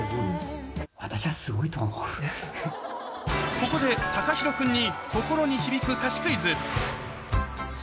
ここで ＴＡＫＡＨＩＲＯ 君に